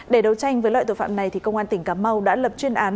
để đấu tranh với loại tội phạm này công an tỉnh cà mau đã lập chuyên án